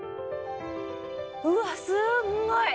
うわっすんごい！